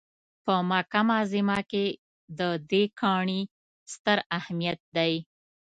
په مکه معظمه کې د دې کاڼي ستر اهمیت دی.